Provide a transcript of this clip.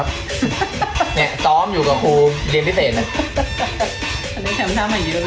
เนี้ยซ้อมอยู่กับครูเรียนพิเศษน่ะ